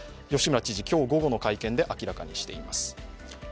吉村知事、今日午後の会見で明らかにしています。